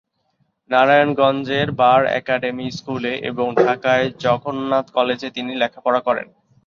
নারায়ণগঞ্জের bar academy স্কুলে এবং ঢাকায় জগন্নাথ কলেজে তিনি লেখাপড়া করেন।